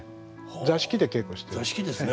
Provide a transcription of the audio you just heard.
座敷で稽古してますね。